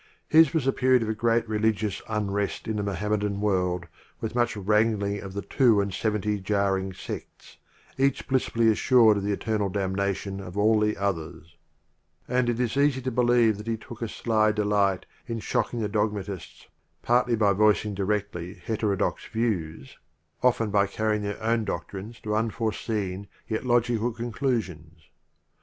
His was a period of great religious unrest in the Mohammedan world with much wrangling of the " Two and Seventy jar ring Seels," each blissfully assured of the eternal damnation of all the others ; and it is easy to believe that he took a sly de light in shocking the dogmatists partly by voicing direclly heterodox views, often by viii carrying their own dotlrines to unforeseen The yet logical conclusions.